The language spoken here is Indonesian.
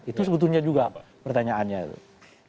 itu sebetulnya juga pertanyaannya itu